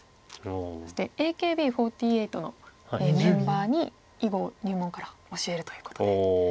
そしてＡＫＢ４８のメンバーに囲碁を入門から教えるということで。